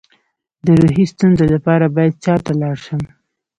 د روحي ستونزو لپاره باید چا ته لاړ شم؟